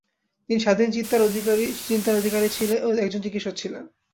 তিনি স্বাধীন চিন্তার অধিকারী একজন চিকিসক ছিলেন।